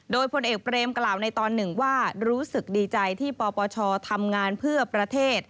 โดยพลเอกเปรมกล่าวในตอนหนึ่งว่ารู้สึกดีใจที่ปปชทำงานเพื่อประเทศ